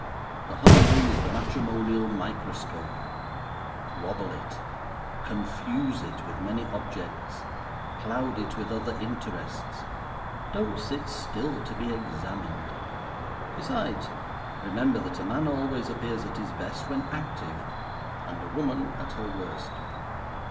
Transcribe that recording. The honeymoon is the matrimonial microscope. Wobble it. Confuse it with many objects. Cloud it with other interests. Don't sit still to be examined. Besides, remember that a man always appears at his best when active, and a woman at her worst.